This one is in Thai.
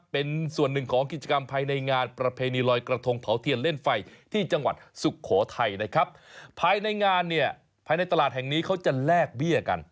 ภายในงานเนี่ยภายในตลาดแห่งนี้เขาจะแรกเบี้ยกัน